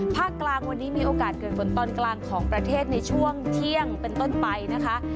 ภาคกลางวันนี้มีโอกาสเกิดฝนตอนกลางของประเทศในช่วงเที่ยงเป็นต้นไปนะคะ